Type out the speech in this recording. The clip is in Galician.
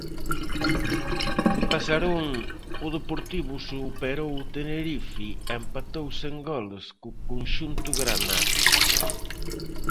En Pasarón, o Deportivo superou o Tenerife e empatou sen goles co conxunto granate.